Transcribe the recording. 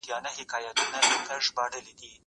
زه پرون سندري اورم وم؟